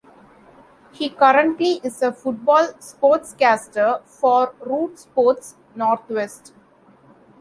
He currently is a football sportscaster for Root Sports Northwest.